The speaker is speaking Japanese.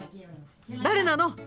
誰なの？